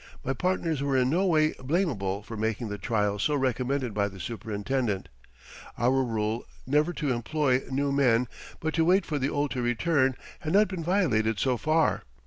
My partners were in no way blamable for making the trial so recommended by the superintendent. Our rule never to employ new men, but to wait for the old to return, had not been violated so far.